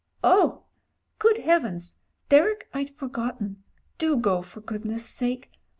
"Oh! good Heavens. Derek, I'd forgotten. Do go, for goodness' sake.